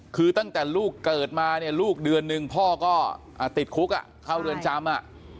คือตั้งแต่ลูกเกิดมาเนี่ยลูกเดือนหนึ่งพ่อก็ติดคุกเข้าเรือนจำ